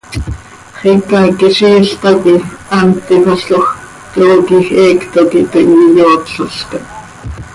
Xicaquiziil tacoi hant tífalcoj, trooquij heecto quih toii iyootlolca.